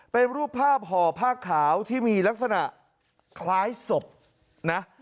เป็นรูปภาพห่อผ้าขาวที่มีลักษณะคล้ายศพนะ